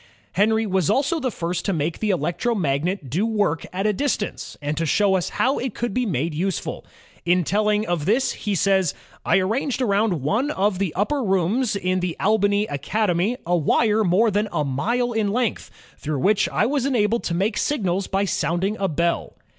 Henry was also the first to make the electromagnet do work at a distance, and to show us how it could be made useful. In telling of this he says: "I arranged around one of the upper rooms in the Albany Academy a wire more than a mile in length, through which I was enabled to make signals by soimding a bell."